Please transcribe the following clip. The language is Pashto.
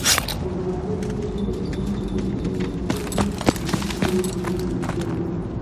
خو جمعه خان خپله کوټه قده، بوډا او سپین بریتونه یې پرې ایښي ول.